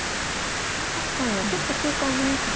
確かにちょっと空間ありますね。